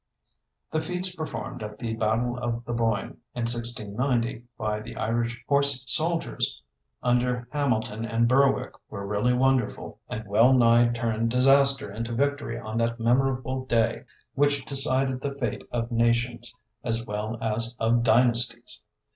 The feats performed at the Battle of the Boyne, in 1690, by the Irish horse soldiers under Hamilton and Berwick were really wonderful, and well nigh turned disaster into victory on that memorable day which decided the fate of nations as well as of dynasties.